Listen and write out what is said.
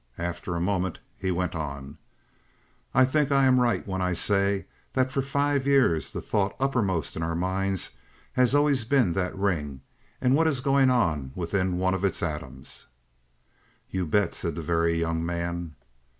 After a moment, he went on: "I think I am right when I say that for five years the thought uppermost in our minds has always been that ring and what is going on within one of its atoms." "You bet," said the Very Young Man.